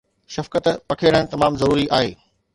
شفقت پکيڙڻ تمام ضروري آهي